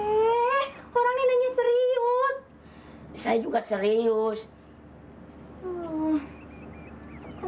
eh orangnya nanya serius saya juga serius kamu ini sebenarnya siapa sih saya beroto atmaja